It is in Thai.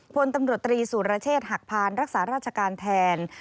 พลตำรวจตรีสุรเชษฐหักพานรักษาราชการแทน